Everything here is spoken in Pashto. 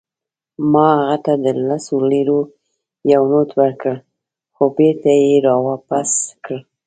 ما هغه ته د لسو لیرو یو نوټ ورکړ، خو بیرته يې راواپس کړ.